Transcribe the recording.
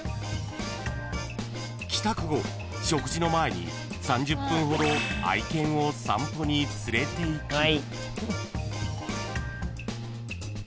［帰宅後食事の前に３０分ほど愛犬を散歩に連れていき夕食を食べ入浴した後は］